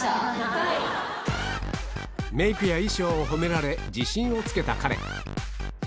メイクや衣装を褒められ自信をつけたカレン